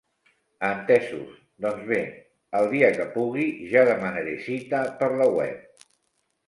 Entesos, doncs bé el dia que pugui ja demanaré cita per la web.